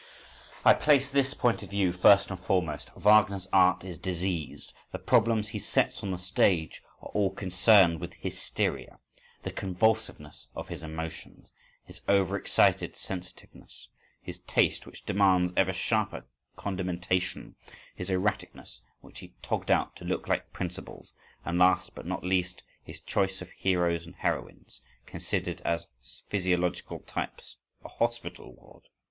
I place this point of view first and foremost: Wagner's art is diseased. The problems he sets on the stage are all concerned with hysteria; the convulsiveness of his emotions, his over excited sensitiveness, his taste which demands ever sharper condimentation, his erraticness which he togged out to look like principles, and, last but not least, his choice of heroes and heroines, considered as physiological types (—a hospital ward!